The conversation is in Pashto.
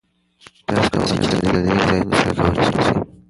تاسو کولای شئ چې له لرې ځایونو سره اړیکه ونیسئ.